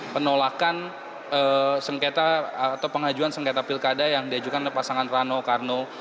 penolakan sengketa atau pengajuan sengketa pilkada yang diajukan oleh pasangan rano karno